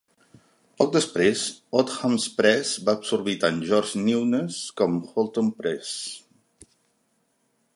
Poc després, Odhams Press va absorbir tant George Newnes com Hulton Press.